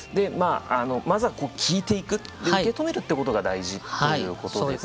まずは聞いていく受け止めるってことが大事っていうことですよね。